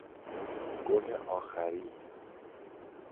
گل اخری